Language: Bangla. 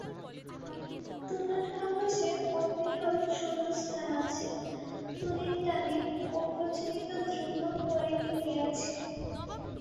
তুলট কাগজে অবিরল শূন্যস্থান আছে, তুলির টানে অপ্রচলিত ধ্রুপদ পরিমিতি আছে।